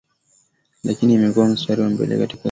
lakini imekuwa mstari wa mbele katika swala zima